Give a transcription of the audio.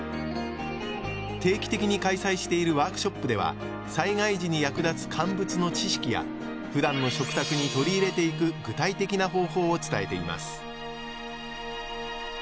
定期的に開催しているワークショップでは災害時に役立つ乾物の知識やふだんの食卓に取り入れていく具体的な方法を伝えています